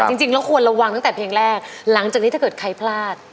จริงแล้วควรระวังตั้งแต่เพลงแรกหลังจากนี้ถ้าเกิดใครพลาด